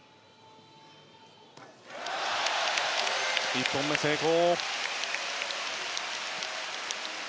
１本目、成功。